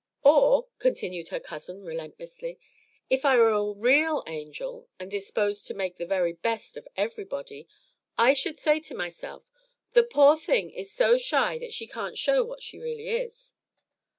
"Or," continued her cousin, relentlessly, "if I were a real angel, and disposed to make the very best of everybody, I should say to myself, 'The poor thing is so shy that she can't show what she really is.'